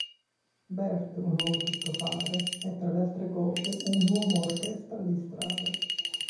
Bert, un uomo tuttofare, è tra le altre cose un uomo orchestra di strada.